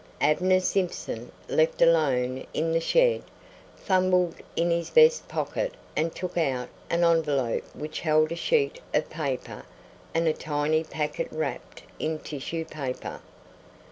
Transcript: Abner Simpson, left alone in the shed, fumbled in his vest pocket and took out an envelope which held a sheet of paper and a tiny packet wrapped in tissue paper.